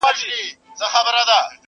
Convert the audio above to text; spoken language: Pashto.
لکه جوړه له مرمرو نازنینه؛